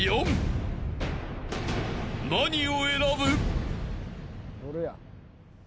［何を選ぶ？］